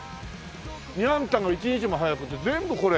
「ニャンタが一日も早く」って全部これ。